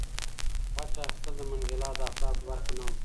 غچ اخیستل د منډېلا د اخلاقو برخه نه وه.